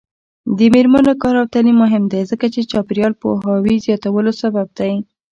د میرمنو کار او تعلیم مهم دی ځکه چې چاپیریال پوهاوي زیاتولو سبب دی.